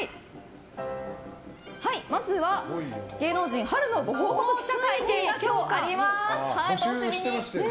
まずは芸能人春のご報告記者会見が今日あります。